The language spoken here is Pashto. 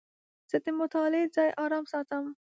زه د مطالعې ځای آرام ساتم.